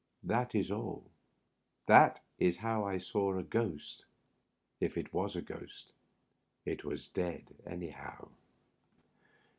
That is alL That is how I saw a ghost— if it was a ghost It was dead, anyhow.